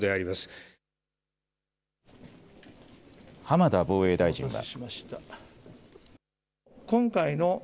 浜田防衛大臣は。